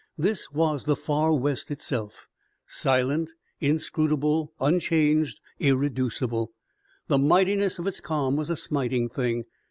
This was the Far West itself; silent, inscrutable, unchanged, irreducible. The mightiness of its calm was a smiting thing.